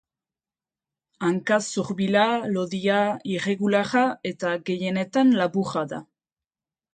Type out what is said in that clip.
Hanka zurbila, lodia, irregularra eta gehienetan laburra da.